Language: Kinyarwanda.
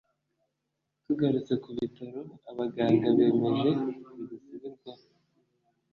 Tugarutse kubitaro abaganga bemeje bidasubirwaho